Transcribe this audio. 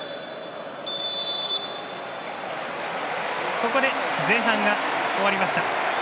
ここで前半が終わりました。